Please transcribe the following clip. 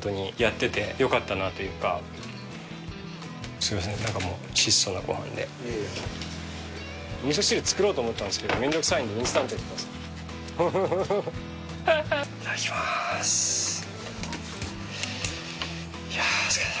すいません何かもう質素なごはんでみそ汁作ろうと思ったんですけど面倒くさいんでインスタントでやったんですよフフフフいただきます